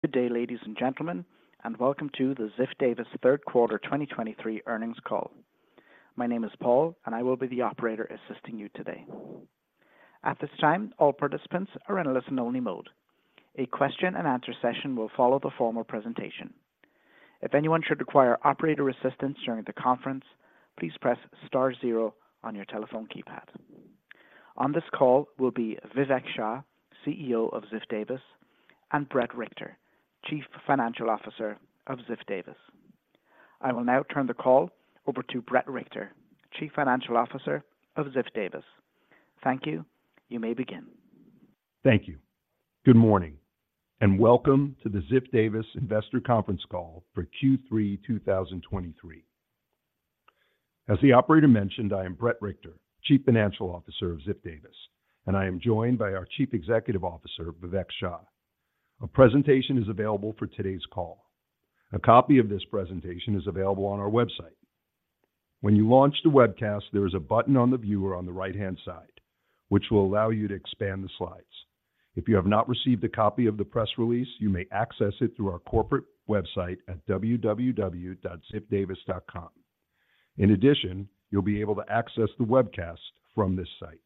Good day, ladies and gentlemen, and welcome to the Ziff Davis third quarter 2023 earnings call. My name is Paul, and I will be the operator assisting you today. At this time, all participants are in a listen-only mode. A question-and-answer session will follow the formal presentation. If anyone should require operator assistance during the conference, please press star zero on your telephone keypad. On this call will be Vivek Shah, CEO of Ziff Davis, and Bret Richter, Chief Financial Officer of Ziff Davis. I will now turn the call over to Bret Richter, Chief Financial Officer of Ziff Davis. Thank you. You may begin. Thank you. Good morning, and welcome to the Ziff Davis Investor Conference Call for Q3 2023. As the operator mentioned, I am Bret Richter, Chief Financial Officer of Ziff Davis, and I am joined by our Chief Executive Officer, Vivek Shah. A presentation is available for today's call. A copy of this presentation is available on our website. When you launch the webcast, there is a button on the viewer on the right-hand side, which will allow you to expand the slides. If you have not received a copy of the press release, you may access it through our corporate website at www.ziffdavis.com. In addition, you'll be able to access the webcast from this site.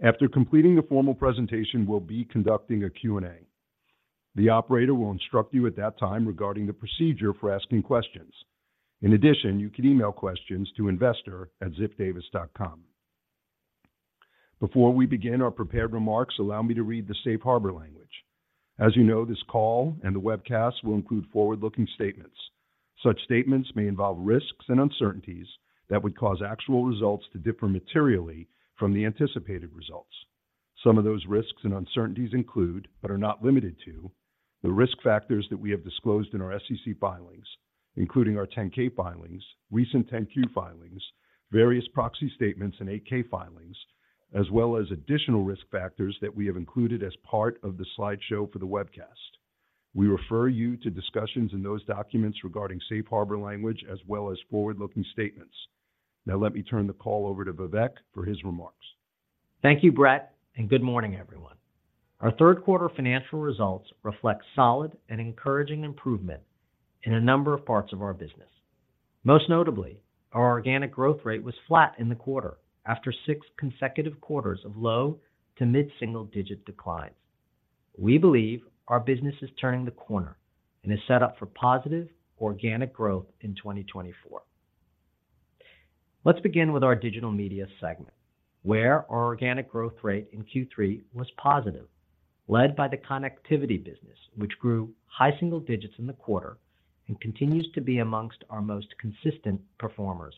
After completing the formal presentation, we'll be conducting a Q&A. The operator will instruct you at that time regarding the procedure for asking questions. In addition, you can email questions to investor@ziffdavis.com. Before we begin our prepared remarks, allow me to read the Safe Harbor language. As you know, this call and the webcast will include forward-looking statements. Such statements may involve risks and uncertainties that would cause actual results to differ materially from the anticipated results. Some of those risks and uncertainties include, but are not limited to, the risk factors that we have disclosed in our SEC filings, including our 10-K filings, recent 10-Q filings, various proxy statements, and 8-K filings, as well as additional risk factors that we have included as part of the slideshow for the webcast. We refer you to discussions in those documents regarding Safe Harbor language as well as forward-looking statements. Now, let me turn the call over to Vivek for his remarks. Thank you, Bret, and good morning, everyone. Our third quarter financial results reflect solid and encouraging improvement in a number of parts of our business. Most notably, our organic growth rate was flat in the quarter after six consecutive quarters of low- to mid-single-digit declines. We believe our business is turning the corner and is set up for positive organic growth in 2024. Let's begin with our digital media segment, where our organic growth rate in Q3 was positive, led by the connectivity business, which grew high-single digits in the quarter and continues to be amongst our most consistent performers.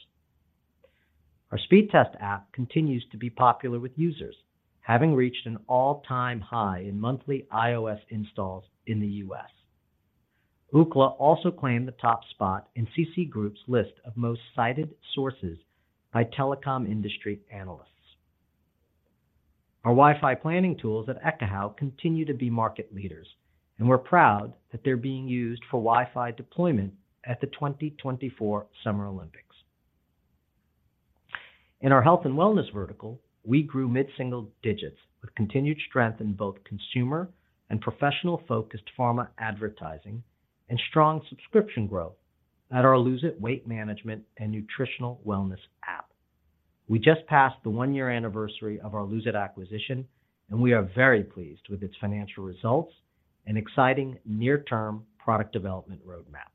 Our Speedtest app continues to be popular with users, having reached an all-time high in monthly iOS installs in the U.S. Ookla also claimed the top spot in CCgroup's list of most cited sources by telecom industry analysts. Our Wi-Fi planning tools at Ekahau continue to be market leaders, and we're proud that they're being used for Wi-Fi deployment at the 2024 Summer Olympics. In our health and wellness vertical, we grew mid-single digits, with continued strength in both consumer and professional-focused pharma advertising and strong subscription growth at our Lose It! weight management and nutritional wellness app. We just passed the one year anniversary of our Lose It! acquisition, and we are very pleased with its financial results and exciting near-term product development roadmap.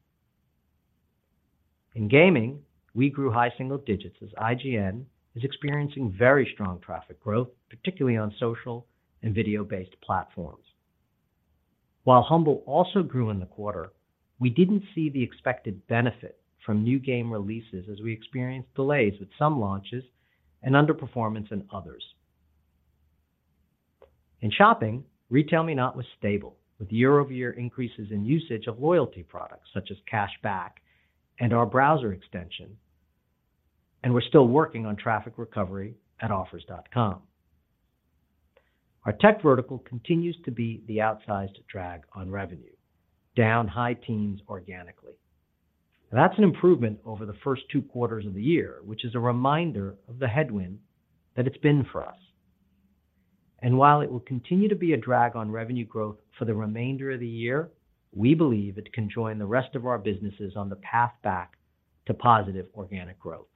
In gaming, we grew high single digits, as IGN is experiencing very strong traffic growth, particularly on social and video-based platforms. While Humble also grew in the quarter, we didn't see the expected benefit from new game releases as we experienced delays with some launches and underperformance in others. In shopping, RetailMeNot was stable, with year-over-year increases in usage of loyalty products such as cashback and our browser extension, and we're still working on traffic recovery at Offers.com. Our tech vertical continues to be the outsized drag on revenue, down high teens organically. That's an improvement over the first two quarters of the year, which is a reminder of the headwind that it's been for us. And while it will continue to be a drag on revenue growth for the remainder of the year, we believe it can join the rest of our businesses on the path back to positive organic growth.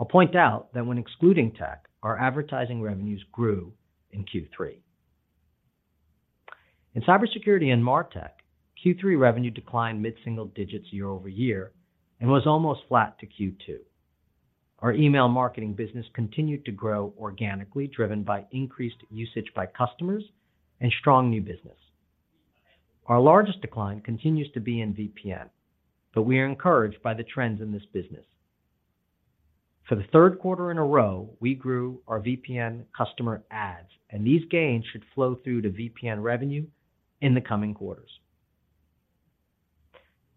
I'll point out that when excluding tech, our advertising revenues grew in Q3. In cybersecurity and MarTech, Q3 revenue declined mid-single digits year-over-year and was almost flat to Q2. Our email marketing business continued to grow organically, driven by increased usage by customers and strong new business. Our largest decline continues to be in VPN, but we are encouraged by the trends in this business. For the third quarter in a row, we grew our VPN customer ads, and these gains should flow through to VPN revenue in the coming quarters.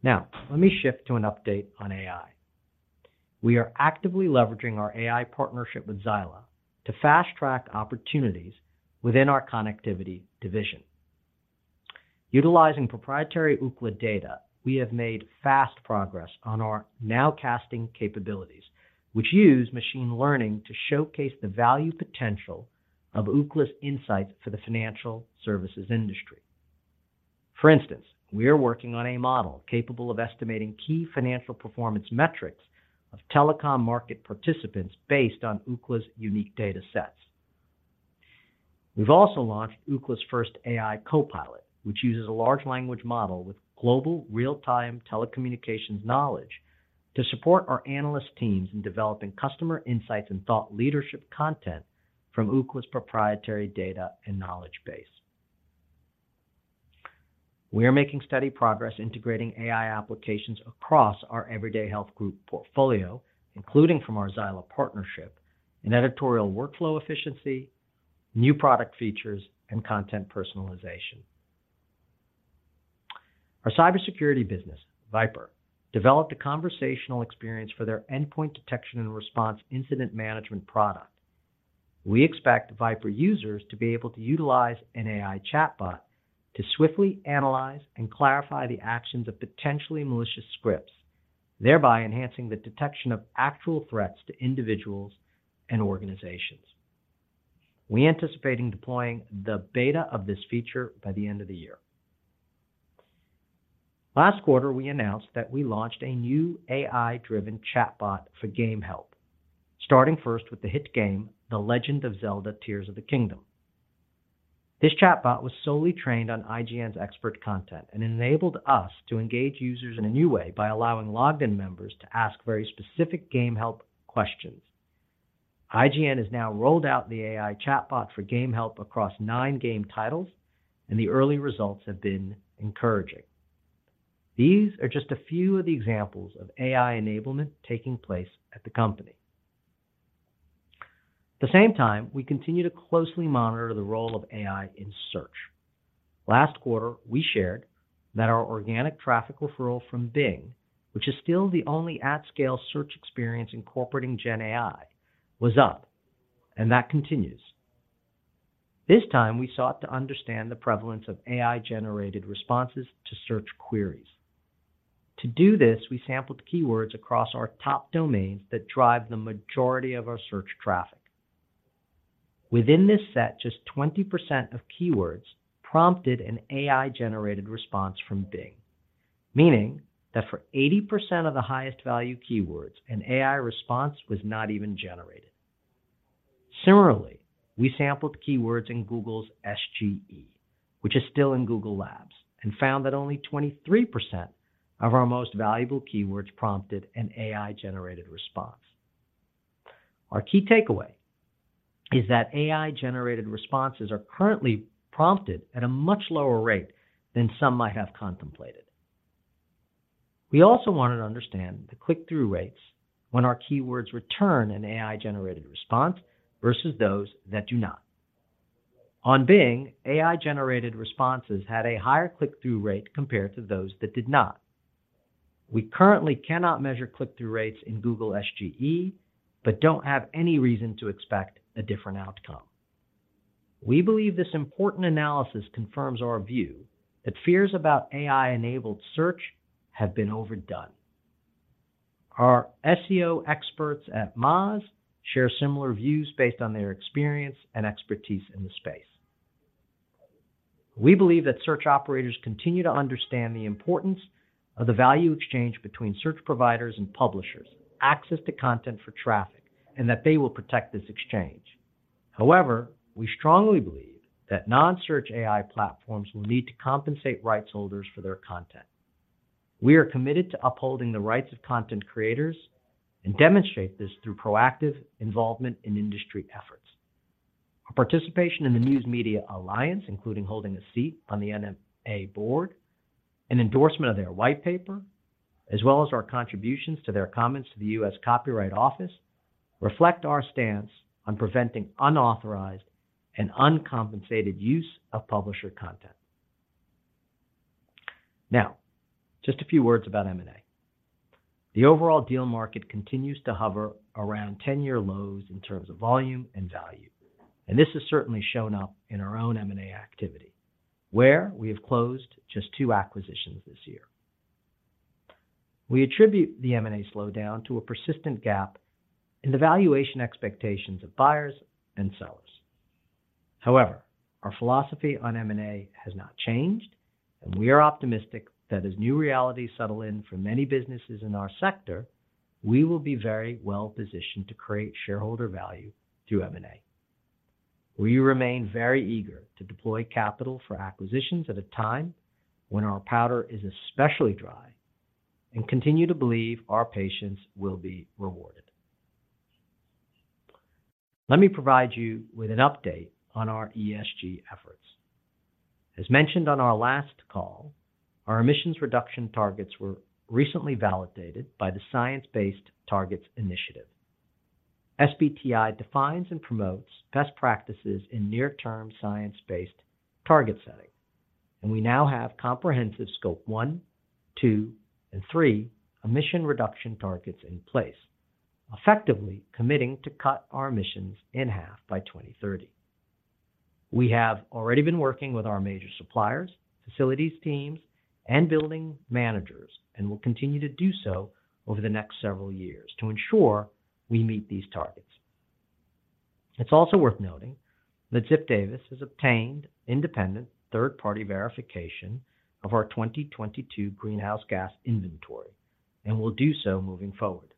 Now, let me shift to an update on AI. We are actively leveraging our AI partnership with Xyla to fast-track opportunities within our connectivity division. Utilizing proprietary Ookla data, we have made fast progress on our nowcasting capabilities, which use machine learning to showcase the value potential of Ookla's insights for the financial services industry. For instance, we are working on a model capable of estimating key financial performance metrics of telecom market participants based on Ookla's unique data sets. We've also launched Ookla's first AI copilot, which uses a large language model with global real-time telecommunications knowledge to support our analyst teams in developing customer insights and thought leadership content from Ookla's proprietary data and knowledge base. We are making steady progress integrating AI applications across our Everyday Health Group portfolio, including from our Xyla partnership in editorial workflow efficiency, new product features, and content personalization. Our cybersecurity business, VIPRE, developed a conversational experience for their endpoint detection and response incident management product. We expect VIPRE users to be able to utilize an AI chatbot to swiftly analyze and clarify the actions of potentially malicious scripts, thereby enhancing the detection of actual threats to individuals and organizations. We're anticipating deploying the beta of this feature by the end of the year. Last quarter, we announced that we launched a new AI-driven chatbot for game help, starting first with the hit game, The Legend of Zelda: Tears of the Kingdom. This chatbot was solely trained on IGN's expert content and enabled us to engage users in a new way by allowing logged-in members to ask very specific game help questions. IGN has now rolled out the AI chatbot for game help across nine game titles, and the early results have been encouraging. These are just a few of the examples of AI enablement taking place at the company. At the same time, we continue to closely monitor the role of AI in search. Last quarter, we shared that our organic traffic referral from Bing, which is still the only at-scale search experience incorporating Gen AI, was up, and that continues. This time, we sought to understand the prevalence of AI-generated responses to search queries. To do this, we sampled keywords across our top domains that drive the majority of our search traffic. Within this set, just 20% of keywords prompted an AI-generated response from Bing, meaning that for 80% of the highest value keywords, an AI response was not even generated. Similarly, we sampled keywords in Google's SGE, which is still in Google Labs, and found that only 23% of our most valuable keywords prompted an AI-generated response. Our key takeaway is that AI-generated responses are currently prompted at a much lower rate than some might have contemplated. We also wanted to understand the click-through rates when our keywords return an AI-generated response versus those that do not. On Bing, AI-generated responses had a higher click-through rate compared to those that did not. We currently cannot measure click-through rates in Google SGE, but don't have any reason to expect a different outcome. We believe this important analysis confirms our view that fears about AI-enabled search have been overdone. Our SEO experts at Moz share similar views based on their experience and expertise in the space. We believe that search operators continue to understand the importance of the value exchange between search providers and publishers, access to content for traffic, and that they will protect this exchange. However, we strongly believe that non-search AI platforms will need to compensate rights holders for their content. We are committed to upholding the rights of content creators and demonstrate this through proactive involvement in industry efforts. Our participation in the News Media Alliance, including holding a seat on the NMA Board, an endorsement of their white paper, as well as our contributions to their comments to the U.S. Copyright Office, reflect our stance on preventing unauthorized and uncompensated use of publisher content. Now, just a few words about M&A. The overall deal market continues to hover around ten-year lows in terms of volume and value, and this has certainly shown up in our own M&A activity, where we have closed just two acquisitions this year. We attribute the M&A slowdown to a persistent gap in the valuation expectations of buyers and sellers. However, our philosophy on M&A has not changed, and we are optimistic that as new realities settle in for many businesses in our sector, we will be very well positioned to create shareholder value through M&A. We remain very eager to deploy capital for acquisitions at a time when our powder is especially dry and continue to believe our patience will be rewarded. Let me provide you with an update on our ESG efforts. As mentioned on our last call, our emissions reduction targets were recently validated by the Science Based Targets initiative. SBTi defines and promotes best practices in near-term science-based target setting, and we now have comprehensive Scope 1, 2, and 3 emission reduction targets in place, effectively committing to cut our emissions in half by 2030. We have already been working with our major suppliers, facilities teams, and building managers, and will continue to do so over the next several years to ensure we meet these targets. It's also worth noting that Ziff Davis has obtained independent third-party verification of our 2022 greenhouse gas inventory and will do so moving forward.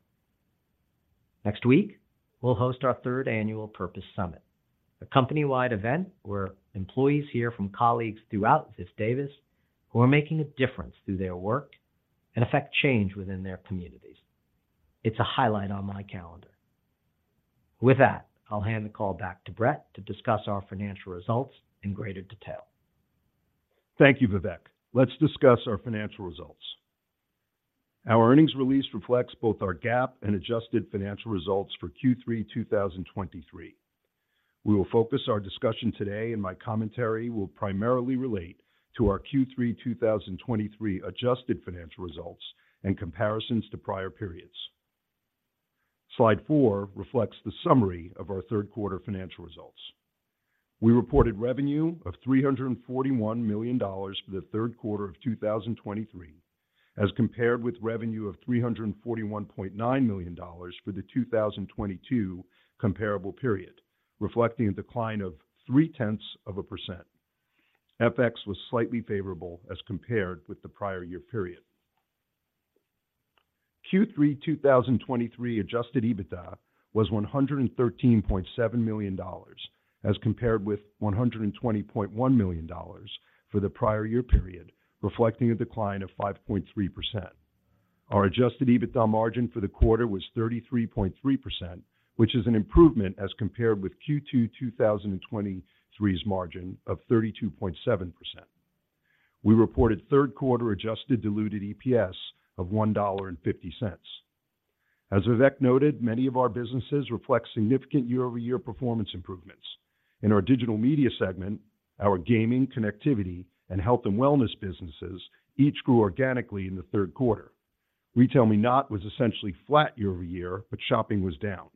Next week, we'll host our third annual Purpose Summit, a company-wide event where employees hear from colleagues throughout Ziff Davis who are making a difference through their work and affect change within their communities. It's a highlight on my calendar. With that, I'll hand the call back to Bret to discuss our financial results in greater detail. Thank you, Vivek. Let's discuss our financial results. Our earnings release reflects both our GAAP and adjusted financial results for Q3 2023. We will focus our discussion today, and my commentary will primarily relate to our Q3 2023 adjusted financial results and comparisons to prior periods. Slide 4 reflects the summary of our third quarter financial results. We reported revenue of $341 million for the third quarter of 2023, as compared with revenue of $341.9 million for the 2022 comparable period, reflecting a decline of 0.3%. FX was slightly favorable as compared with the prior year period. Q3 2023 Adjusted EBITDA was $113.7 million, as compared with $120.1 million for the prior year period, reflecting a decline of 5.3%. Our Adjusted EBITDA margin for the quarter was 33.3%, which is an improvement as compared with Q2 2023's margin of 32.7%. We reported third quarter Adjusted Diluted EPS of $1.50. As Vivek noted, many of our businesses reflect significant year-over-year performance improvements. In our digital media segment, our gaming, connectivity, and health and wellness businesses each grew organically in the third quarter. RetailMeNot was essentially flat year over year, but shopping was down.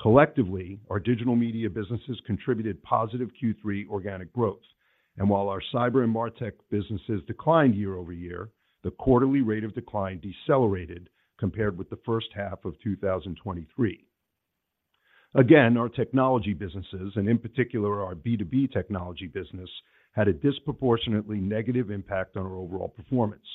Collectively, our digital media businesses contributed positive Q3 organic growth, and while our cyber and MarTech businesses declined year-over-year, the quarterly rate of decline decelerated compared with the first half of 2023. Again, our technology businesses, and in particular our B2B technology business, had a disproportionately negative impact on our overall performance.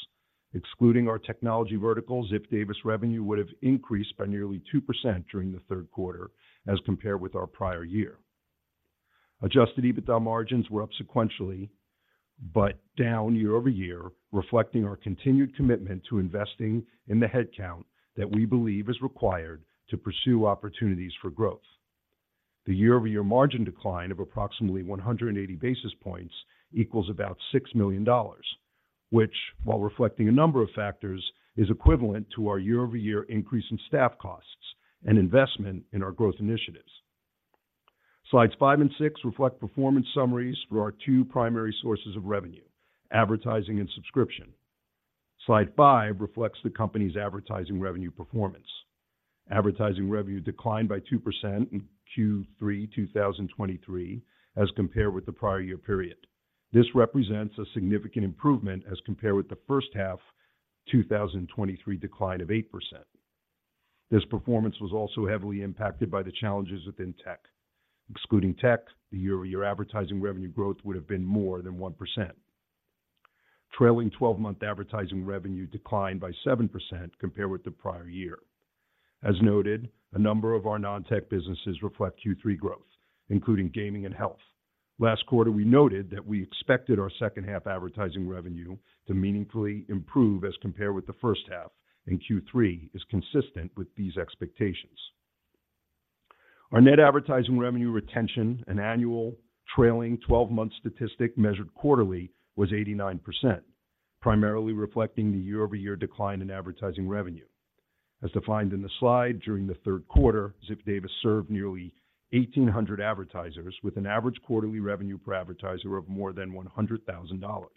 Excluding our technology verticals, Ziff Davis revenue would have increased by nearly 2% during the third quarter as compared with our prior year. Adjusted EBITDA margins were up sequentially, but down year-over-year, reflecting our continued commitment to investing in the headcount that we believe is required to pursue opportunities for growth. The year-over-year margin decline of approximately 180 basis points equals about $6 million, which, while reflecting a number of factors, is equivalent to our year-over-year increase in staff costs and investment in our growth initiatives. Slides 5 and 6 reflect performance summaries for our two primary sources of revenue: advertising and subscription. Slide 5 reflects the company's advertising revenue performance. Advertising revenue declined by 2% in Q3 2023, as compared with the prior year period. This represents a significant improvement as compared with the first half 2023 decline of 8%. This performance was also heavily impacted by the challenges within tech. Excluding tech, the year-over-year advertising revenue growth would have been more than 1%. Trailing 12-month advertising revenue declined by 7% compared with the prior year. As noted, a number of our non-tech businesses reflect Q3 growth, including gaming and health. Last quarter, we noted that we expected our second half advertising revenue to meaningfully improve as compared with the first half, and Q3 is consistent with these expectations. Our net advertising revenue retention, an annual trailing 12-month statistic measured quarterly, was 89%, primarily reflecting the year-over-year decline in advertising revenue. As defined in the slide, during the third quarter, Ziff Davis served nearly 1,800 advertisers with an average quarterly revenue per advertiser of more than $100,000.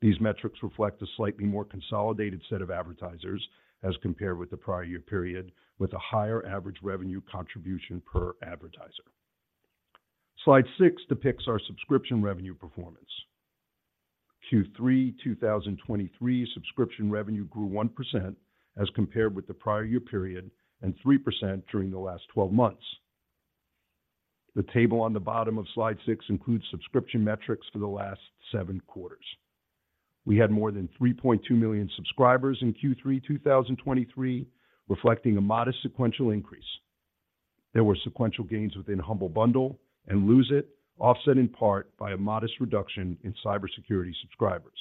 These metrics reflect a slightly more consolidated set of advertisers as compared with the prior year period, with a higher average revenue contribution per advertiser. Slide 6 depicts our subscription revenue performance. Q3 2023 subscription revenue grew 1% as compared with the prior year period, and 3% during the last 12 months. The table on the bottom of slide 6 includes subscription metrics for the last seven quarters. We had more than 3.2 million subscribers in Q3 2023, reflecting a modest sequential increase. There were sequential gains within Humble Bundle and Lose It!, offset in part by a modest reduction in cybersecurity subscribers.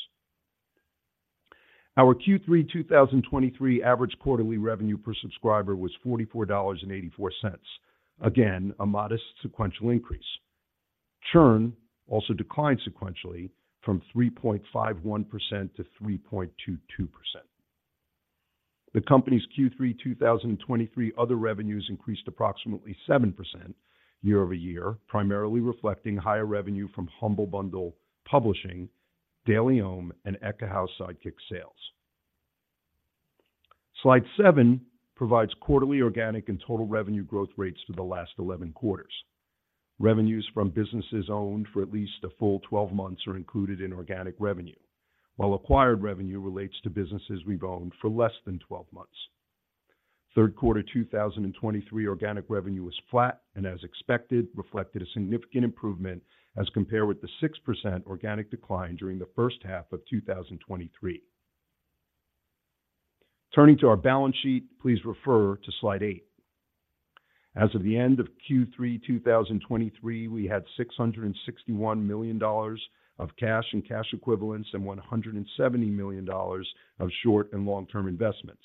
Our Q3 2023 average quarterly revenue per subscriber was $44.84. Again, a modest sequential increase. Churn also declined sequentially from 3.51% to 3.22%. The company's Q3 2023 other revenues increased approximately 7% year-over-year, primarily reflecting higher revenue from Humble Bundle publishing, DailyOM, and Ekahau Sidekick sales. Slide 7 provides quarterly organic and total revenue growth rates for the last 11 quarters. Revenues from businesses owned for at least a full 12 months are included in organic revenue, while acquired revenue relates to businesses we've owned for less than 12 months. Third quarter 2023, organic revenue was flat and, as expected, reflected a significant improvement as compared with the 6% organic decline during the first half of 2023. Turning to our balance sheet, please refer to slide 8. As of the end of Q3 2023, we had $661 million of cash and cash equivalents and $170 million of short and long-term investments.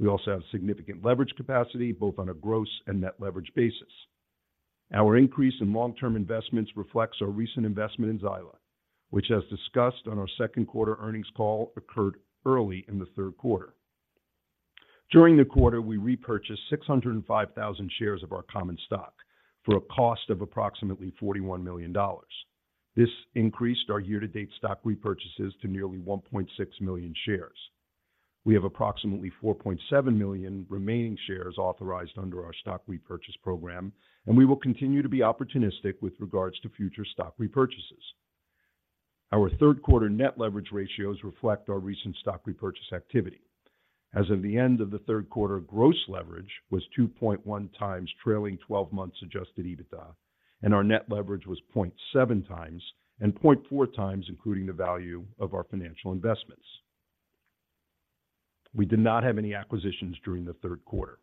We also have significant leverage capacity, both on a gross and net leverage basis. Our increase in long-term investments reflects our recent investment in Xyla, which, as discussed on our second quarter earnings call, occurred early in the third quarter. During the quarter, we repurchased 605,000 shares of our common stock for a cost of approximately $41 million. This increased our year-to-date stock repurchases to nearly 1.6 million shares. We have approximately 4.7 million remaining shares authorized under our stock repurchase program, and we will continue to be opportunistic with regards to future stock repurchases. Our third quarter net leverage ratios reflect our recent stock repurchase activity. As of the end of the third quarter, gross leverage was 2.1x trailing 12 months Adjusted EBITDA, and our net leverage was 0.7x, and 0.4x, including the value of our financial investments. We did not have any acquisitions during the third quarter.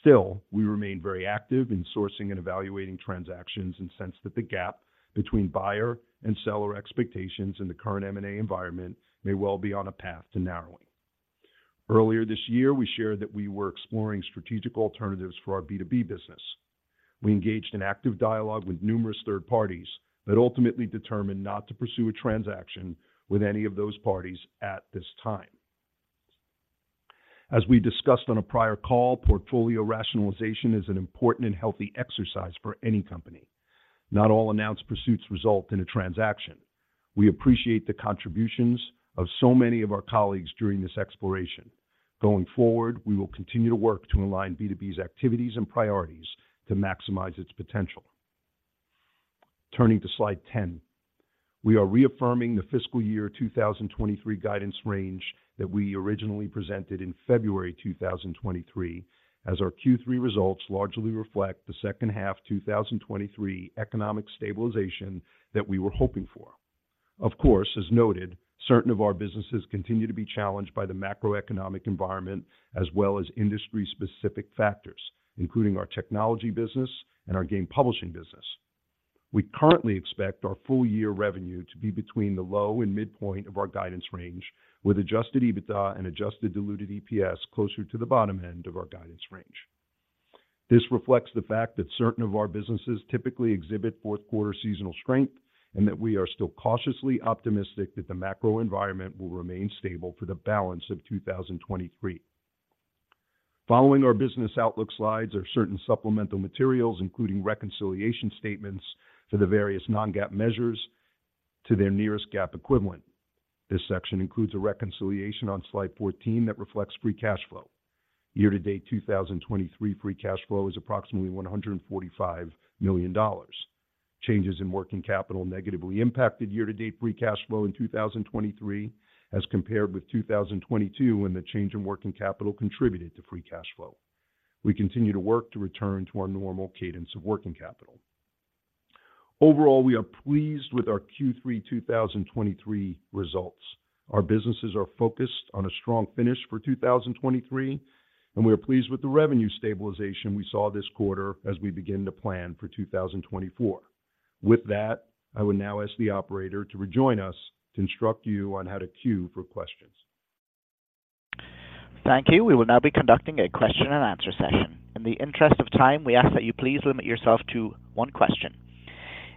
Still, we remain very active in sourcing and evaluating transactions and sense that the gap between buyer and seller expectations in the current M&A environment may well be on a path to narrowing. Earlier this year, we shared that we were exploring strategic alternatives for our B2B business. We engaged in active dialogue with numerous third parties, but ultimately determined not to pursue a transaction with any of those parties at this time. As we discussed on a prior call, portfolio rationalization is an important and healthy exercise for any company. Not all announced pursuits result in a transaction. We appreciate the contributions of so many of our colleagues during this exploration. Going forward, we will continue to work to align B2B's activities and priorities to maximize its potential. Turning to slide 10. We are reaffirming the fiscal year 2023 guidance range that we originally presented in February 2023, as our Q3 results largely reflect the second half 2023 economic stabilization that we were hoping for. Of course, as noted, certain of our businesses continue to be challenged by the macroeconomic environment as well as industry-specific factors, including our technology business and our game publishing business. We currently expect our full year revenue to be between the low and midpoint of our guidance range, with Adjusted EBITDA and Adjusted Diluted EPS closer to the bottom end of our guidance range. This reflects the fact that certain of our businesses typically exhibit fourth quarter seasonal strength and that we are still cautiously optimistic that the macro environment will remain stable for the balance of 2023. Following our business outlook slides are certain supplemental materials, including reconciliation statements for the various non-GAAP measures to their nearest GAAP equivalent. This section includes a reconciliation on Slide 14 that reflects Free Cash Flow. Year-to-date 2023, Free Cash Flow is approximately $145 million. Changes in working capital negatively impacted year-to-date Free Cash Flow in 2023, as compared with 2022, when the change in working capital contributed to Free Cash Flow. We continue to work to return to our normal cadence of working capital. Overall, we are pleased with our Q3 2023 results. Our businesses are focused on a strong finish for 2023, and we are pleased with the revenue stabilization we saw this quarter as we begin to plan for 2024. With that, I will now ask the operator to rejoin us to instruct you on how to queue for questions. Thank you. We will now be conducting a question and answer session. In the interest of time, we ask that you please limit yourself to one question.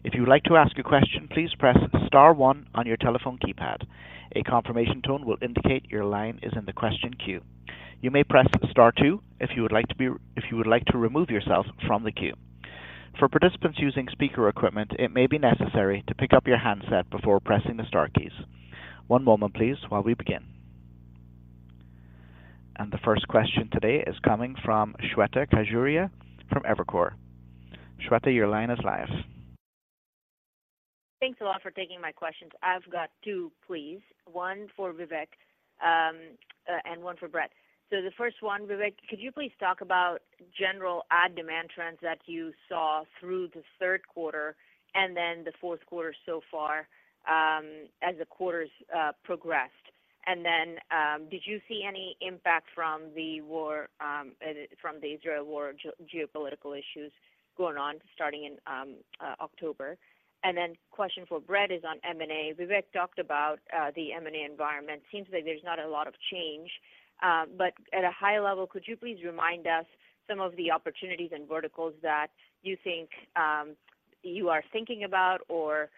If you would like to ask a question, please press star one on your telephone keypad. A confirmation tone will indicate your line is in the question queue. You may press star two if you would like to remove yourself from the queue. For participants using speaker equipment, it may be necessary to pick up your handset before pressing the star keys. One moment, please, while we begin. The first question today is coming from Shweta Khajuria from Evercore. Shweta, your line is live. Thanks a lot for taking my questions. I've got two, please. One for Vivek, and one for Bret. So the first one, Vivek, could you please talk about general ad demand trends that you saw through the third quarter and then the fourth quarter so far, as the quarters progressed? And then, did you see any impact from the war, from the Israel war, geopolitical issues going on starting in October? And then question for Bret is on M&A. Vivek talked about the M&A environment. Seems like there's not a lot of change, but at a high level, could you please remind us some of the opportunities and verticals that you think you are thinking about or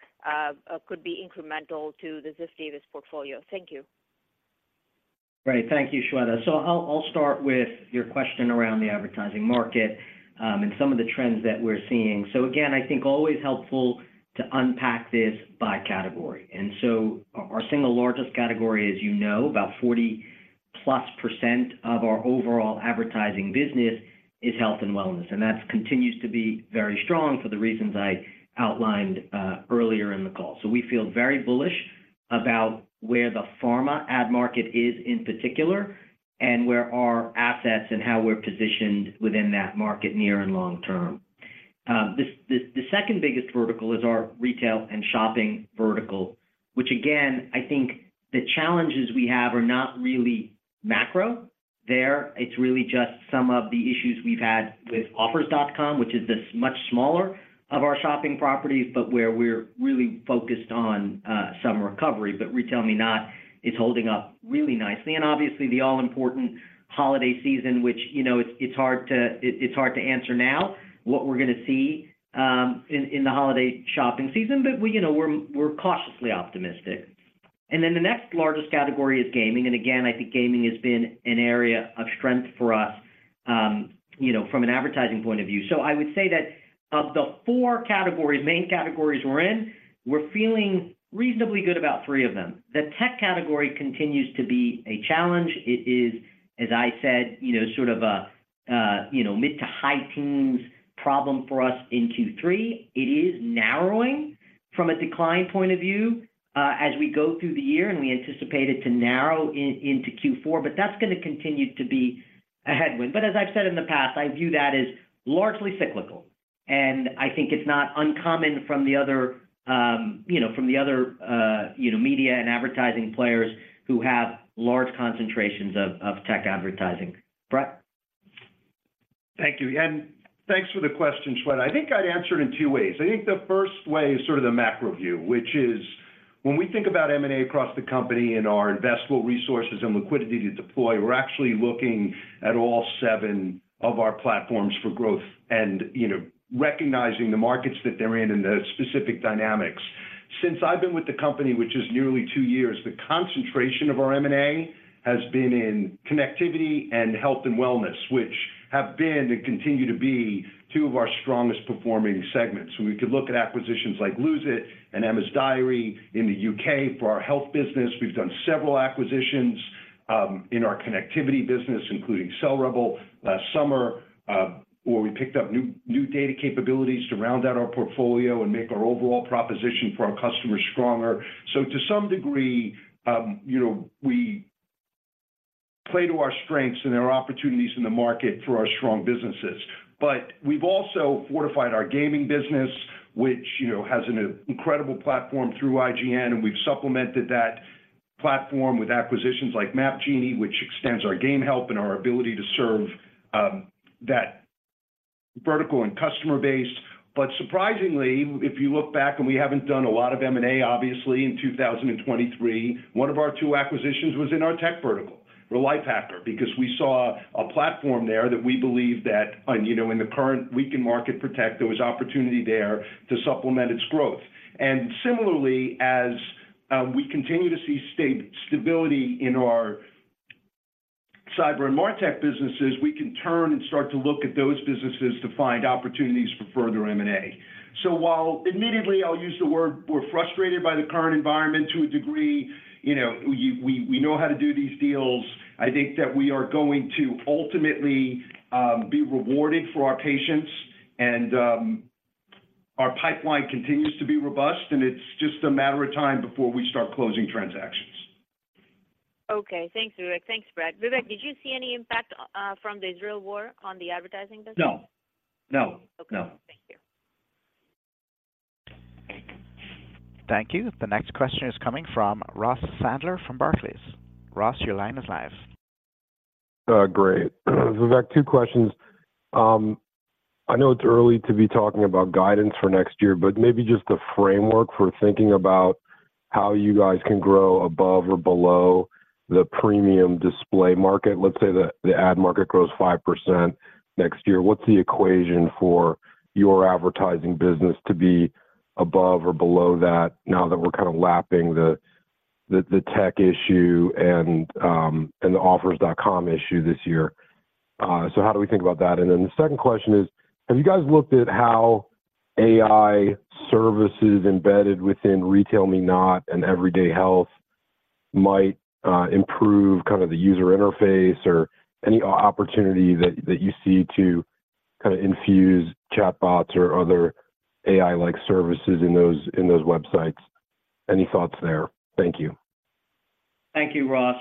could be incremental to the Ziff Davis portfolio? Thank you. Great. Thank you, Shweta. So I'll start with your question around the advertising market, and some of the trends that we're seeing. So again, I think always helpful to unpack this by category. And so our single largest category, as you know, about 40%+ of our overall advertising business is health and wellness, and that continues to be very strong for the reasons I outlined earlier in the call. So we feel very bullish about where the pharma ad market is, in particular, and where our assets and how we're positioned within that market, near and long term. The second biggest vertical is our retail and shopping vertical, which again, I think the challenges we have are not really macro there. It's really just some of the issues we've had with Offers.com, which is this much smaller of our shopping properties, but where we're really focused on some recovery. But RetailMeNot is holding up really nicely, and obviously, the all-important holiday season, which, you know, it's hard to answer now, what we're gonna see in the holiday shopping season, but we, you know, we're cautiously optimistic. And then the next largest category is gaming. And again, I think gaming has been an area of strength for us, you know, from an advertising point of view. So I would say that of the four categories, main categories we're in, we're feeling reasonably good about three of them. The tech category continues to be a challenge. It is, as I said, you know, sort of a you know, mid to high teens problem for us in Q3. It is narrowing from a decline point of view, as we go through the year, and we anticipate it to narrow into Q4, but that's gonna continue to be a headwind. But as I've said in the past, I view that as largely cyclical, and I think it's not uncommon from the other, you know, media and advertising players who have large concentrations of tech advertising. Bret? Thank you, and thanks for the question, Shweta. I think I'd answer it in two ways. I think the first way is sort of the macro view, which is when we think about M&A across the company and our investable resources and liquidity to deploy, we're actually looking at all seven of our platforms for growth and, you know, recognizing the markets that they're in and the specific dynamics. Since I've been with the company, which is nearly two years, the concentration of our M&A has been in connectivity and health and wellness, which have been and continue to be, two of our strongest performing segments. We could look at acquisitions like Lose It! and Emma's Diary in the U.K. For our health business, we've done several acquisitions, in our connectivity business, including CellRebel last summer, where we picked up new data capabilities to round out our portfolio and make our overall proposition for our customers stronger. So to some degree, you know, we play to our strengths and there are opportunities in the market for our strong businesses. But we've also fortified our gaming business, which, you know, has an incredible platform through IGN, and we've supplemented that platform with acquisitions like MapGenie, which extends our game help and our ability to serve that vertical and customer base. But surprisingly, if you look back and we haven't done a lot of M&A, obviously, in 2023, one of our two acquisitions was in our tech vertical, for Lifehacker, because we saw a platform there that we believe that, and, you know, in the current weakened market for tech, there was opportunity there to supplement its growth. And similarly, as we continue to see stability in our cyber and MarTech businesses, we can turn and start to look at those businesses to find opportunities for further M&A. So while admittedly, I'll use the word, we're frustrated by the current environment to a degree, you know, we know how to do these deals. I think that we are going to ultimately, be rewarded for our patience, and, our pipeline continues to be robust, and it's just a matter of time before we start closing transactions. Okay. Thanks, Vivek. Thanks, Bret. Vivek, did you see any impact from the Israel war on the advertising business? No. No. Okay. Thank you. Thank you. The next question is coming from Ross Sandler from Barclays. Ross, your line is live. Great. Vivek, two questions. I know it's early to be talking about guidance for next year, but maybe just a framework for thinking about how you guys can grow above or below the premium display market. Let's say the ad market grows 5% next year. What's the equation for your advertising business to be above or below that, now that we're kind of lapping the tech issue and the Offers.com issue this year? So how do we think about that? And then the second question is: have you guys looked at how AI services embedded within RetailMeNot and Everyday Health might improve kind of the user interface or any opportunity that you see to kind of infuse chatbots or other AI-like services in those websites? Any thoughts there? Thank you. Thank you, Ross.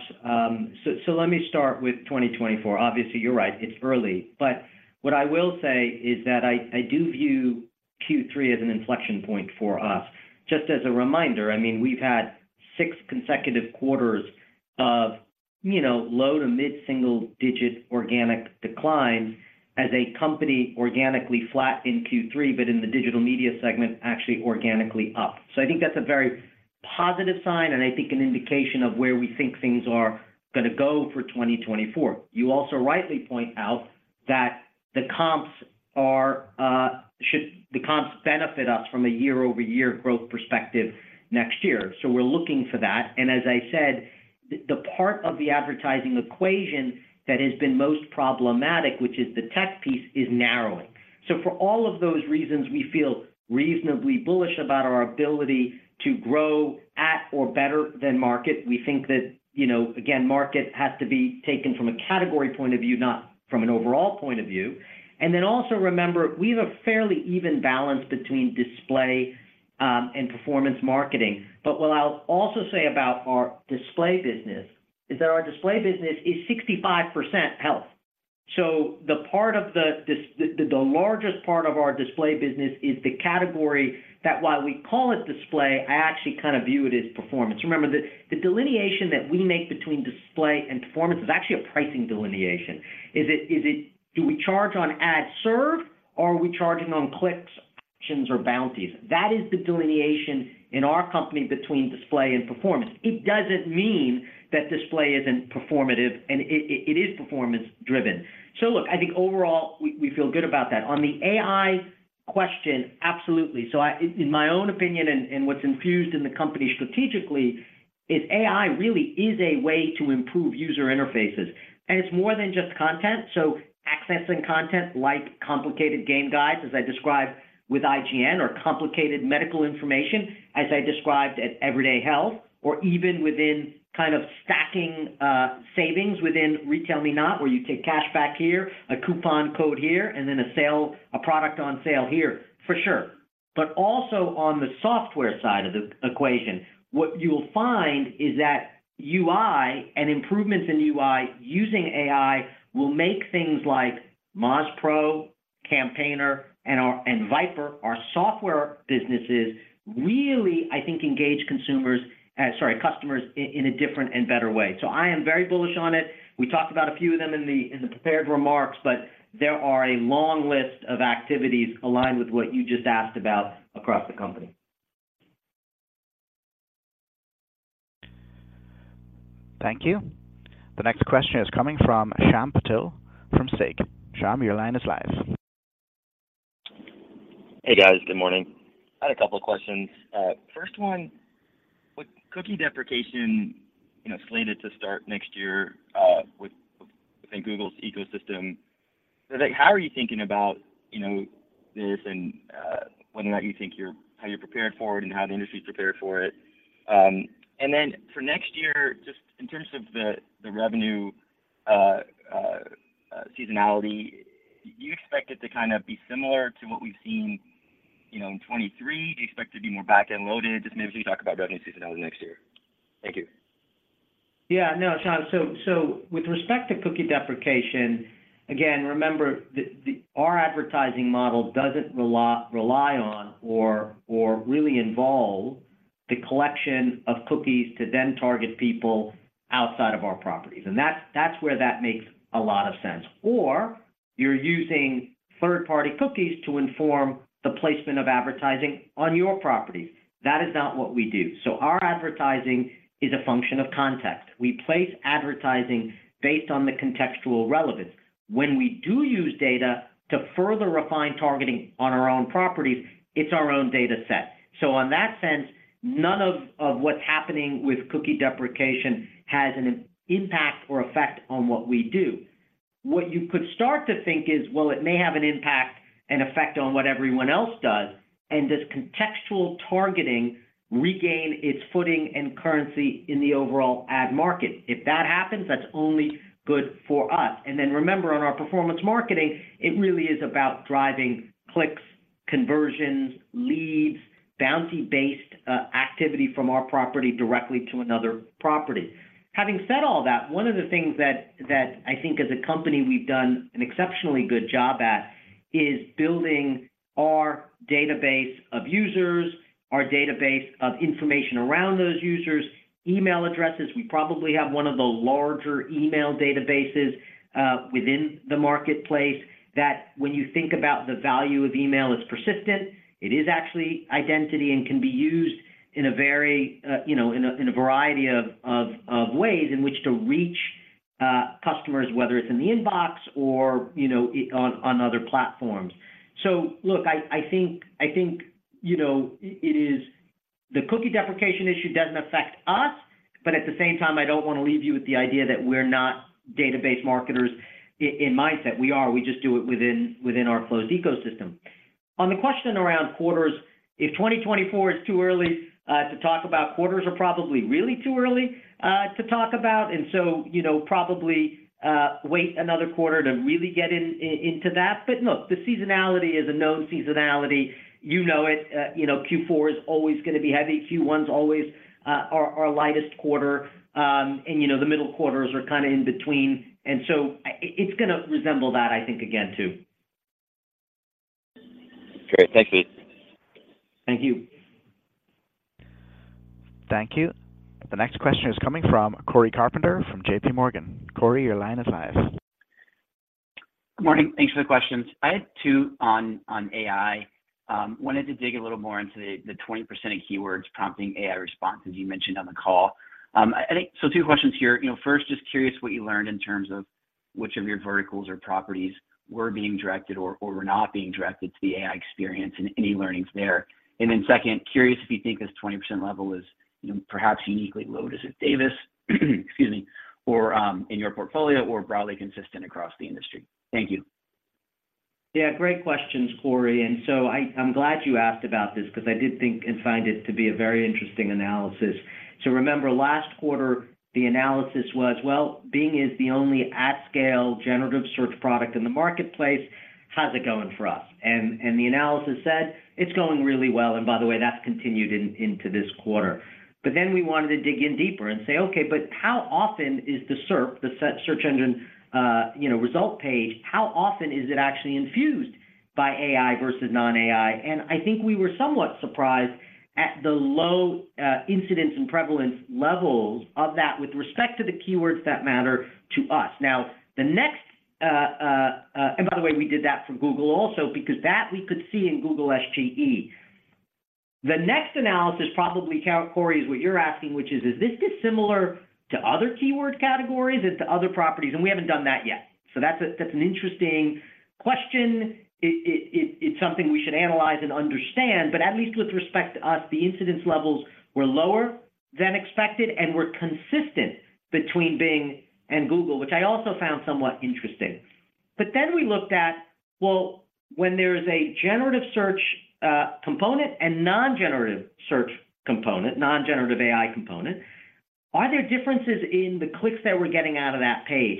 So let me start with 2024. Obviously, you're right, it's early. But what I will say is that I do view Q3 as an inflection point for us. Just as a reminder, I mean, we've had 6 consecutive quarters of, you know, low- to mid-single-digit organic decline as a company, organically flat in Q3, but in the digital media segment, actually organically up. So I think that's a very positive sign, and I think an indication of where we think things are gonna go for 2024. You also rightly point out that the comps benefit us from a year-over-year growth perspective next year. So we're looking for that. And as I said, the part of the advertising equation that has been most problematic, which is the tech piece, is narrowing. So for all of those reasons, we feel reasonably bullish about our ability to grow at or better than market. We think that, you know, again, market has to be taken from a category point of view, not from an overall point of view. And then also remember, we have a fairly even balance between display and performance marketing. But what I'll also say about our display business is that our display business is 65% health. So the largest part of our display business is the category that while we call it display, I actually kind of view it as performance. Remember that the delineation that we make between display and performance is actually a pricing delineation. Do we charge on ad serve, or are we charging on clicks, actions, or bounties? That is the delineation in our company between display and performance. It doesn't mean that display isn't performative, and it is performance-driven. So look, I think overall, we feel good about that. On the AI question, absolutely. So in my own opinion, and what's infused in the company strategically, is AI really is a way to improve user interfaces, and it's more than just content. So accessing content, like complicated game guides, as I described with IGN, or complicated medical information, as I described at Everyday Health, or even within kind of stacking savings within RetailMeNot, where you take cashback here, a coupon code here, and then a product on sale here, for sure. But also on the software side of the equation, what you will find is that UI and improvements in UI using AI will make things like Moz Pro, Campaigner, and our VIPRE, our software businesses, really, I think, engage consumers, sorry, customers in a different and better way. So I am very bullish on it. We talked about a few of them in the prepared remarks, but there are a long list of activities aligned with what you just asked about across the company. Thank you. The next question is coming from Shyam Patil from Susquehanna. Shyam, your line is live. Hey, guys. Good morning. I had a couple of questions. First one, with Cookie Deprecation, you know, slated to start next year, with, within Google's ecosystem, like, how are you thinking about, you know, this and, whether or not you think you're-- how you're prepared for it and how the industry is prepared for it? And then for next year, just in terms of the revenue seasonality, do you expect it to kind of be similar to what we've seen, you know, in 2023? Do you expect it to be more back-end loaded? Just maybe talk about revenue seasonality next year. Thank you. Yeah. No, Shyam. So with respect to Cookie Deprecation, again, remember that our advertising model doesn't rely on or really involve the collection of cookies to then target people outside of our properties. And that's where that makes a lot of sense. Or you're using third-party cookies to inform the placement of advertising on your properties. That is not what we do. So our advertising is a function of context. We place advertising based on the contextual relevance. When we do use data to further refine targeting on our own properties, it's our own data set. So in that sense, none of what's happening with Cookie Deprecation has an impact or effect on what we do. What you could start to think is, well, it may have an impact and effect on what everyone else does, and does contextual targeting regain its footing and currency in the overall ad market. If that happens, that's only good for us. And then remember, on our performance marketing, it really is about driving clicks, conversions, leads, bounty-based activity from our property directly to another property. Having said all that, one of the things that I think as a company, we've done an exceptionally good job at, is building our database of users, our database of information around those users, email addresses. We probably have one of the larger email databases within the marketplace, that when you think about the value of email, it's persistent, it is actually identity and can be used, you know, in a variety of ways in which to reach customers, whether it's in the inbox or, you know, on other platforms. So look, I think, you know, it is. The Cookie Deprecation issue doesn't affect us, but at the same time, I don't want to leave you with the idea that we're not database marketers in mindset. We are. We just do it within our closed ecosystem. On the question around quarters, if 2024 is too early to talk about, quarters are probably really too early to talk about, and so, you know, probably wait another quarter to really get into that. But look, the seasonality is a known seasonality. You know it. You know, Q4 is always gonna be heavy. Q1 is always our lightest quarter. And, you know, the middle quarters are kind of in between, and so it's gonna resemble that, I think, again, too. Great. Thank you. Thank you. Thank you. The next question is coming from Cory Carpenter from JPMorgan. Corey, your line is live. Good morning. Thanks for the questions. I had two on, on AI. Wanted to dig a little more into the, the 20% of keywords prompting AI response, as you mentioned on the call. I think, so two questions here. You know, first, just curious what you learned in terms of which of your verticals or properties were being directed or were not being directed to the AI experience and any learnings there. And then second, curious if you think this 20% level is, you know, perhaps uniquely low to Davis, excuse me, or, in your portfolio, or broadly consistent across the industry. Thank you. Yeah, great questions, Corey. And so I'm glad you asked about this because I did think and find it to be a very interesting analysis. So remember, last quarter, the analysis was, well, Bing is the only at-scale generative search product in the marketplace, how's it going for us? And the analysis said it's going really well, and by the way, that's continued into this quarter. But then we wanted to dig in deeper and say, "Okay, but how often is the SERP, the search engine result page, you know, actually infused by AI versus non-AI?" And I think we were somewhat surprised at the low incidence and prevalence levels of that with respect to the keywords that matter to us. By the way, we did that for Google also, because that we could see in Google SGE. The next analysis, probably, Corey, is what you're asking, which is: Is this dissimilar to other keyword categories and to other properties? We haven't done that yet. So that's an interesting question. It's something we should analyze and understand, but at least with respect to us, the incidence levels were lower than expected and were consistent between Bing and Google, which I also found somewhat interesting. But then we looked at, well, when there is a generative search component and non-generative search component, non-generative AI component, are there differences in the clicks that we're getting out of that page?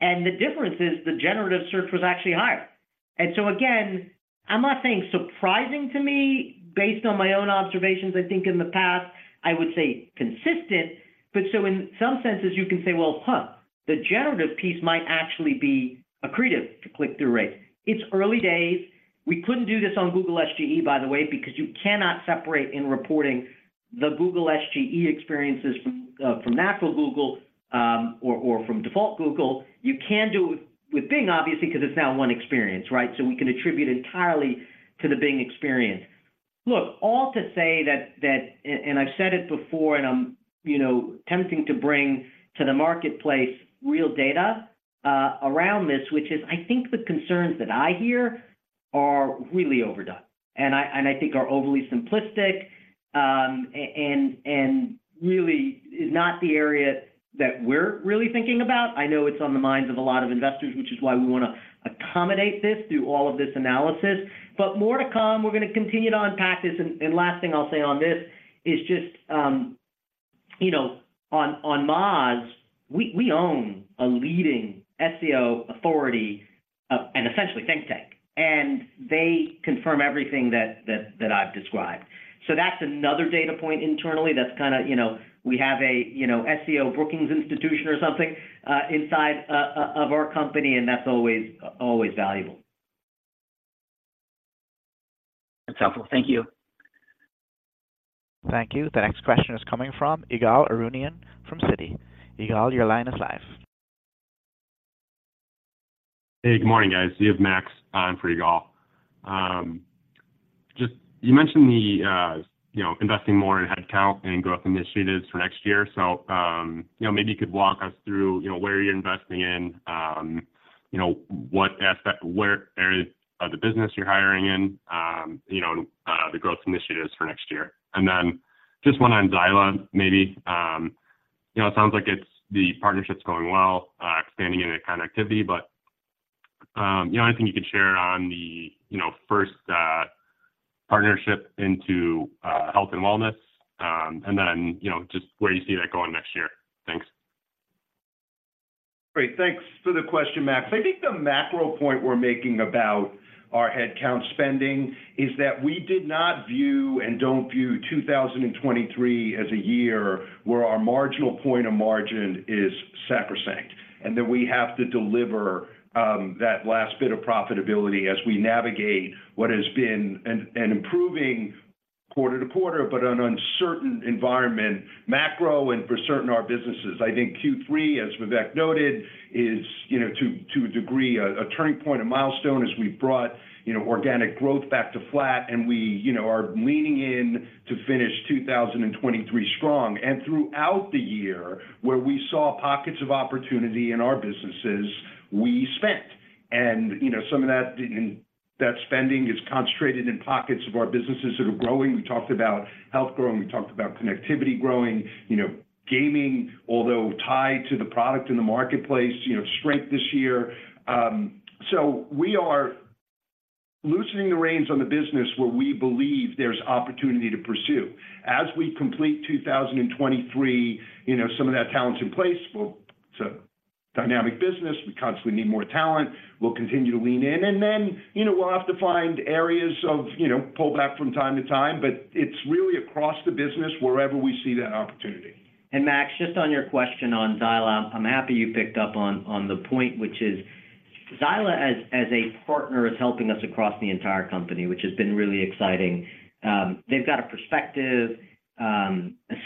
And the difference is, the generative search was actually higher. And so again, I'm not saying surprising to me, based on my own observations. I think in the past, I would say consistent. But so in some senses, you can say, "Well, huh, the generative piece might actually be accretive to click-through rate." It's early days. We couldn't do this on Google SGE, by the way, because you cannot separate in reporting the Google SGE experiences from macro Google, or from default Google. You can do it with Bing, obviously, because it's now one experience, right? So we can attribute entirely to the Bing experience. Look, all to say that and I've said it before, and I'm, you know, attempting to bring to the marketplace real data around this, which is, I think the concerns that I hear are really overdone, and I think are overly simplistic, and really is not the area that we're really thinking about. I know it's on the minds of a lot of investors, which is why we wanna accommodate this through all of this analysis. But more to come, we're gonna continue to unpack this. And last thing I'll say on this is just, you know, on Moz, we own a leading SEO authority and essentially think tank, and they confirm everything that I've described. So that's another data point internally that's kinda, you know, we have a, you know, SEO Brookings Institution or something inside of our company, and that's always valuable. That's helpful. Thank you. Thank you. The next question is coming from Ygal Arounian from Citi. Ygal, your line is live. Hey, good morning, guys. You have Max for Ygal. Just you mentioned the, you know, investing more in headcount and growth initiatives for next year. So, you know, maybe you could walk us through, you know, where you're investing in, you know, what aspect, where areas of the business you're hiring in, you know, the growth initiatives for next year. And then just one on Xyla, maybe. You know, it sounds like it's the partnership's going well, expanding into connectivity, but, you know, anything you can share on the, you know, first, partnership into, health and wellness, and then, you know, just where you see that going next year? Thanks. Great. Thanks for the question, Max. I think the macro point we're making about our headcount spending is that we did not view and don't view 2023 as a year where our marginal point of margin is sacrosanct, and that we have to deliver that last bit of profitability as we navigate what has been an improving quarter-to-quarter, but an uncertain environment, macro and for certain, our businesses. I think Q3, as Vivek noted, is, you know, to a degree, a turning point, a milestone as we brought, you know, organic growth back to flat, and we, you know, are leaning in to finish 2023 strong. And throughout the year, where we saw pockets of opportunity in our businesses, we spent. You know, some of that spending is concentrated in pockets of our businesses that are growing. We talked about health growing, we talked about connectivity growing, you know, gaming, although tied to the product in the marketplace, you know, strength this year. So we are loosening the reins on the business where we believe there's opportunity to pursue. As we complete 2023, you know, some of that talent's in place. Well, it's a dynamic business, we constantly need more talent. We'll continue to lean in, and then, you know, we'll have to find areas of, you know, pull back from time to time, but it's really across the business wherever we see that opportunity. Max, just on your question on Xyla, I'm happy you picked up on the point, which is Xyla as a partner is helping us across the entire company, which has been really exciting. They've got a perspective, a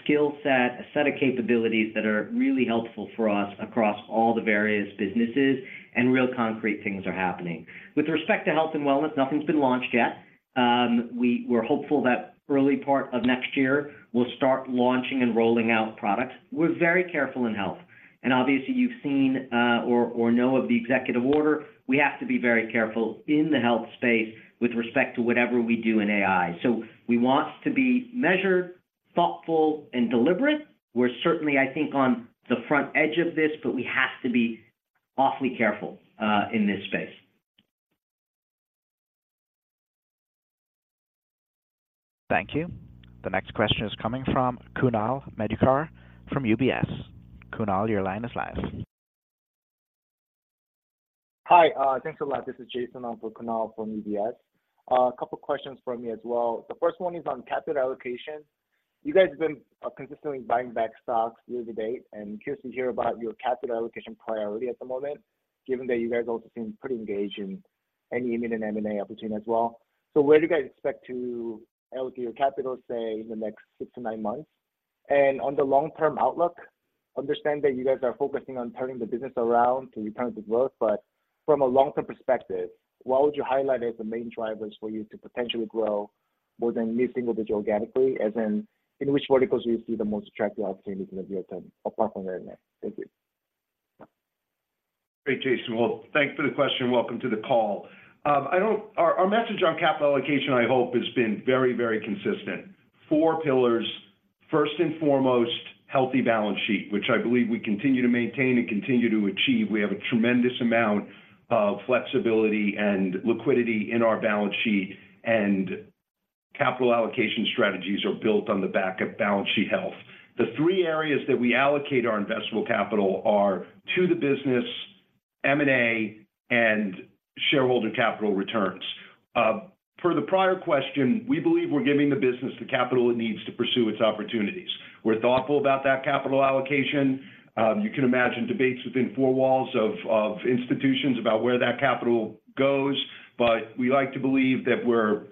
skill set, a set of capabilities that are really helpful for us across all the various businesses, and real concrete things are happening. With respect to health and wellness, nothing's been launched yet. We're hopeful that early part of next year, we'll start launching and rolling out products. We're very careful in health, and obviously, you've seen or know of the executive order. We have to be very careful in the health space with respect to whatever we do in AI. So we want to be measured, thoughtful, and deliberate. We're certainly, I think, on the front edge of this, but we have to be awfully careful in this space. Thank you. The next question is coming from Kunal Madhukar from UBS. Kunal, your line is live. Hi. Thanks a lot. This is Jason on for Kunal from UBS. A couple questions from me as well. The first one is on capital allocation. You guys have been consistently buying back stocks year-to-date, and curious to hear about your capital allocation priority at the moment, given that you guys also seem pretty engaged in any immediate M&A opportunity as well. So where do you guys expect to allocate your capital, say, in the next six to nine months? And on the long-term outlook, I understand that you guys are focusing on turning the business around to return to growth, but from a long-term perspective, what would you highlight as the main drivers for you to potentially grow more than mid-single digit organically, as in, in which verticals do you see the most attractive opportunities in the near term, apart from internet? Thank you. Great, Jason. Well, thanks for the question. Welcome to the call. Our message on capital allocation, I hope, has been very, very consistent. Four pillars: first and foremost, healthy balance sheet, which I believe we continue to maintain and continue to achieve. We have a tremendous amount of flexibility and liquidity in our balance sheet, and capital allocation strategies are built on the back of balance sheet health. The three areas that we allocate our investable capital are to the business, M&A, and shareholder capital returns. Per the prior question, we believe we're giving the business the capital it needs to pursue its opportunities. We're thoughtful about that capital allocation. You can imagine debates within four walls of institutions about where that capital goes, but we like to believe that we're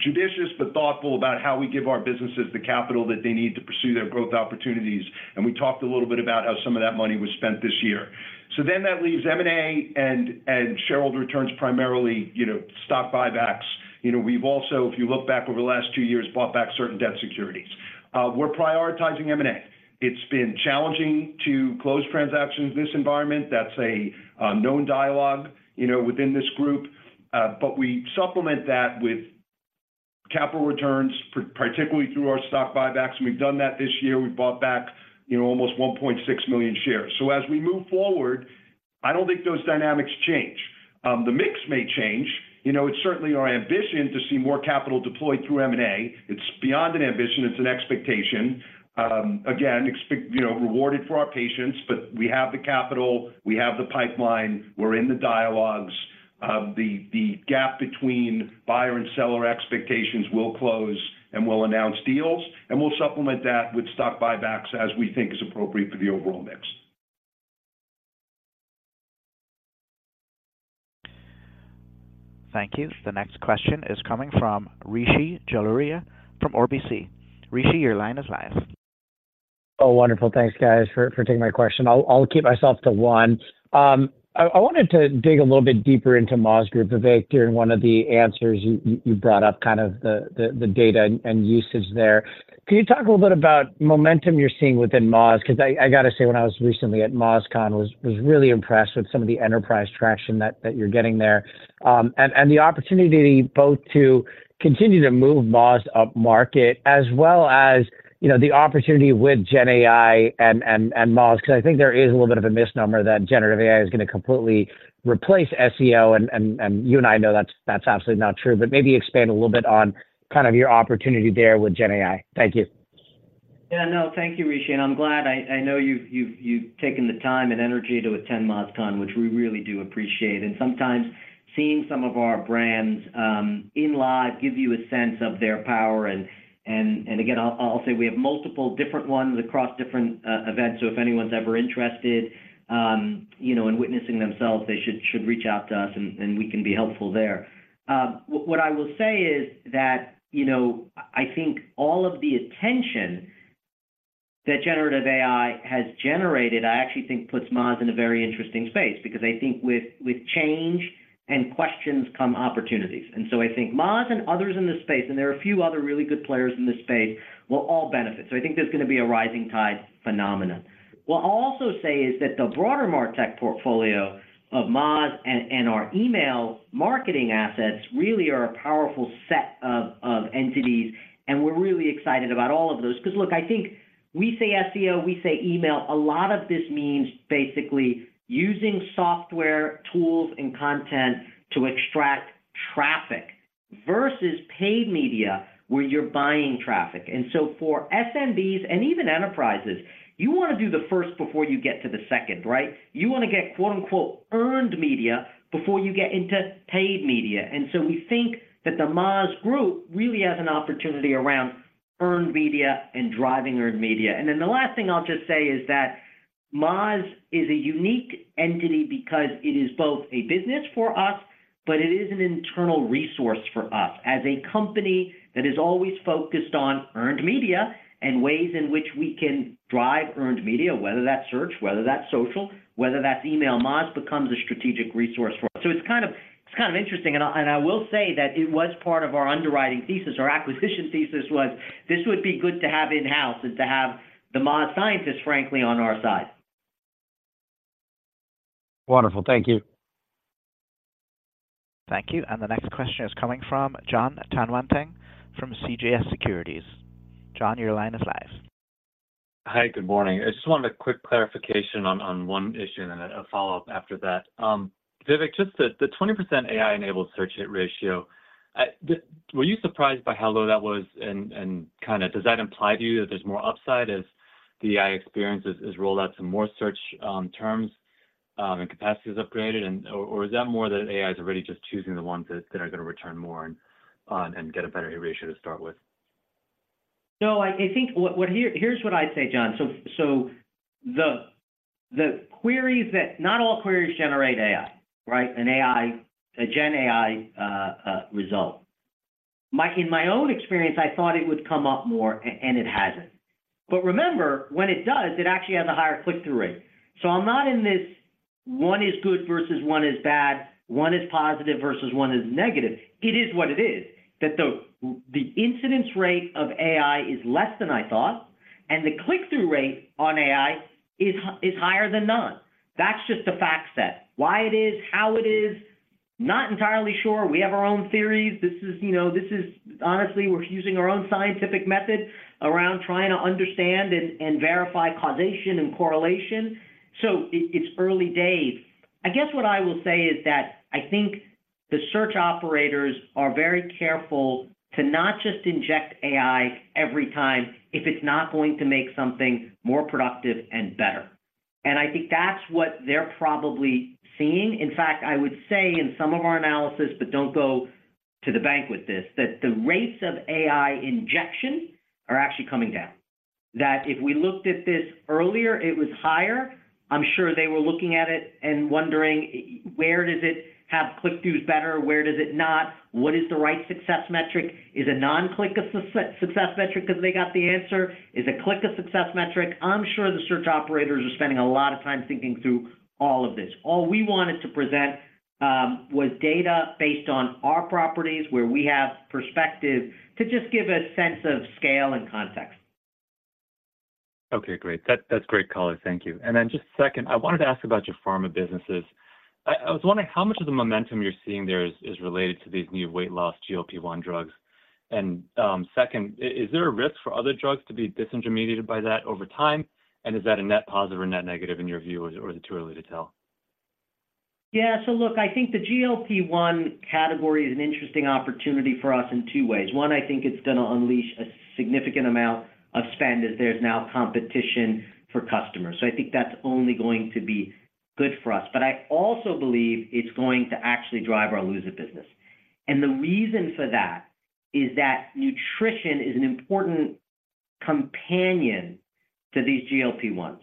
judicious but thoughtful about how we give our businesses the capital that they need to pursue their growth opportunities. And we talked a little bit about how some of that money was spent this year. So then that leaves M&A and shareholder returns, primarily, you know, stock buybacks. You know, we've also, if you look back over the last two years, bought back certain debt securities. We're prioritizing M&A. It's been challenging to close transactions in this environment. That's a known dialogue, you know, within this group. But we supplement that with capital returns, particularly through our stock buybacks, and we've done that this year. We've bought back, you know, almost 1.6 million shares. As we move forward, I don't think those dynamics change. The mix may change. You know, it's certainly our ambition to see more capital deployed through M&A. It's beyond an ambition, it's an expectation. Again, you know, rewarded for our patience, but we have the capital, we have the pipeline, we're in the dialogues. The gap between buyer and seller expectations will close, and we'll announce deals, and we'll supplement that with stock buybacks as we think is appropriate for the overall mix. Thank you. The next question is coming from Rishi Jaluria from RBC. Rishi, your line is live. Oh, wonderful. Thanks, guys, for taking my question. I'll keep myself to one. I wanted to dig a little bit deeper into Moz Group. Vivek, during one of the answers, you brought up kind of the data and usage there. Can you talk a little bit about momentum you're seeing within Moz? Because I got to say, when I was recently at MozCon, I was really impressed with some of the enterprise traction that you're getting there. And the opportunity both to continue to move Moz upmarket, as well as, you know, the opportunity with GenAI and Moz, because I think there is a little bit of a misnomer that generative AI is going to completely replace SEO. And you and I know that's absolutely not true. But maybe expand a little bit on kind of your opportunity there with GenAI. Thank you. Yeah, no, thank you, Rishi, and I'm glad. I know you've taken the time and energy to attend MozCon, which we really do appreciate. And sometimes seeing some of our brands in live gives you a sense of their power and again, I'll say we have multiple different ones across different events. So if anyone's ever interested, you know, in witnessing themselves, they should reach out to us, and we can be helpful there. What I will say is that, you know, I think all of the attention that generative AI has generated, I actually think puts Moz in a very interesting space, because I think with change and questions come opportunities. And so I think Moz and others in this space, and there are a few other really good players in this space, will all benefit. So I think there's going to be a rising tide phenomenon. What I'll also say is that the broader MarTech portfolio of Moz and our email marketing assets really are a powerful set of entities, and we're really excited about all of those. Because, look, I think we say SEO, we say email. A lot of this means basically using software, tools, and content to extract traffic versus paid media, where you're buying traffic. And so for SMBs and even enterprises, you want to do the first before you get to the second, right? You want to get "earned media" before you get into paid media. And so we think that the Moz Group really has an opportunity around earned media and driving earned media. Then the last thing I'll just say is that Moz is a unique entity because it is both a business for us, but it is an internal resource for us. As a company that is always focused on earned media and ways in which we can drive earned media, whether that's search, whether that's social, whether that's email, Moz becomes a strategic resource for us. So it's kind of interesting, and I will say that it was part of our underwriting thesis. Our acquisition thesis was, this would be good to have in-house and to have the Moz scientists, frankly, on our side. Wonderful. Thank you. Thank you. The next question is coming from Jon Tanwanteng, from CJS Securities. Jon, your line is live. Hi, good morning. I just wanted a quick clarification on one issue and then a follow-up after that. Vivek, just the 20% AI-enabled search hit ratio. Were you surprised by how low that was? And kind of does that imply to you that there's more upside as the AI experience is rolled out to more search terms and capacity is upgraded, or is that more that AI is already just choosing the ones that are gonna return more and get a better hit ratio to start with? No. Here's what I'd say, Jon. So, the queries that not all queries generate AI, right? A GenAI result. In my own experience, I thought it would come up more, and it hasn't. But remember, when it does, it actually has a higher click-through rate. So I'm not in this one is good versus one is bad, one is positive versus one is negative. It is what it is, that the incidence rate of AI is less than I thought, and the click-through rate on AI is higher than none. That's just a fact set. Why it is, how it is, not entirely sure. We have our own theories. Honestly, we're using our own scientific method around trying to understand and verify causation and correlation, so it's early days. I guess what I will say is that I think the search operators are very careful to not just inject AI every time if it's not going to make something more productive and better. And I think that's what they're probably seeing. In fact, I would say in some of our analysis, but don't go to the bank with this, that the rates of AI injection are actually coming down. That if we looked at this earlier, it was higher. I'm sure they were looking at it and wondering, where does it have click-throughs better? Where does it not? What is the right success metric? Is a non-click a success metric because they got the answer? Is a click a success metric? I'm sure the search operators are spending a lot of time thinking through all of this. All we wanted to present, was data based on our properties, where we have perspective, to just give a sense of scale and context. Okay, great. That, that's great color. Thank you. And then just second, I wanted to ask about your pharma businesses. I was wondering how much of the momentum you're seeing there is related to these new weight loss GLP-1 drugs? And, second, is there a risk for other drugs to be disintermediated by that over time, and is that a net positive or net negative in your view, or is it too early to tell? Yeah. So look, I think the GLP-1 category is an interesting opportunity for us in two ways. One, I think it's gonna unleash a significant amount of spend as there's now competition for customers. So I think that's only going to be good for us. But I also believe it's going to actually drive our Lose It! business. And the reason for that is that nutrition is an important companion to these GLP-1s.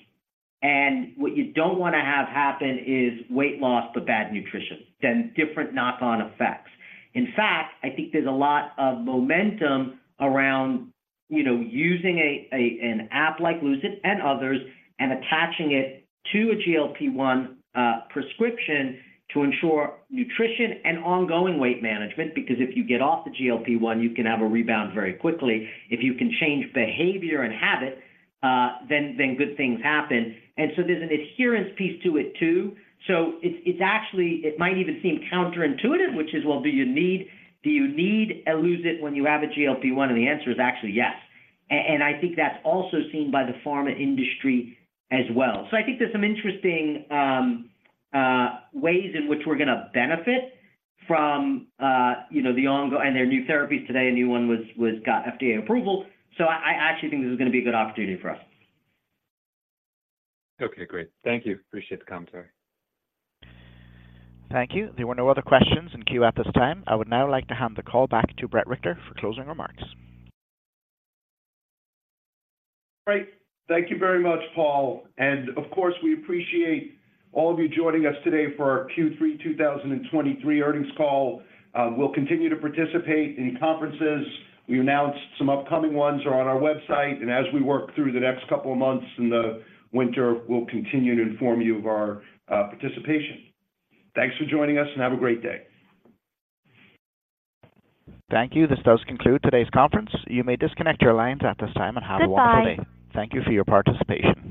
And what you don't wanna have happen is weight loss, but bad nutrition, then different knock-on effects. In fact, I think there's a lot of momentum around, you know, using an app like Lose It and others, and attaching it to a GLP-1 prescription to ensure nutrition and ongoing weight management, because if you get off the GLP-1, you can have a rebound very quickly. If you can change behavior and habit, then good things happen. And so there's an adherence piece to it, too. So it's actually it might even seem counterintuitive, which is, well, do you need Lose It when you have a GLP-1? And the answer is actually yes. And I think that's also seen by the pharma industry as well. So I think there's some interesting ways in which we're gonna benefit from, you know, the ongoing. And there are new therapies today, a new one was got FDA approval. So I actually think this is gonna be a good opportunity for us. Okay, great. Thank you. Appreciate the commentary. Thank you. There were no other questions in queue at this time. I would now like to hand the call back to Bret Richter for closing remarks. Great. Thank you very much, Paul, and of course, we appreciate all of you joining us today for our Q3 2023 earnings call. We'll continue to participate in conferences. We announced some upcoming ones are on our website, and as we work through the next couple of months in the winter, we'll continue to inform you of our participation. Thanks for joining us, and have a great day. Thank you. This does conclude today's conference. You may disconnect your lines at this time and have a wonderful day. Thank you for your participation.